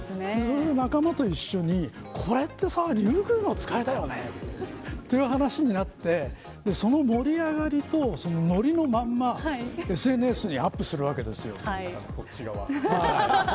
仲間と一緒に、これってさリュウグウノツカイだよねという話になってその盛り上がりと、のりのままＳＮＳにアップするわけですよ。